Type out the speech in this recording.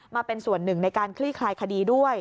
มาเป็นส่วนหนึ่งในการคลี่คลายคดีด้วย